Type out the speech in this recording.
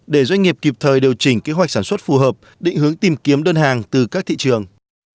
để doanh nghiệp kịp thời điều chỉnh kế hoạch sản xuất phù hợp định hướng tìm kiếm đơn hàng từ các thị trường